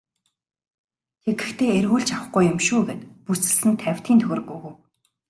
Тэгэхдээ эргүүлж авахгүй юм шүү гээд бүсэлсэн тавьтын төгрөг өгөв.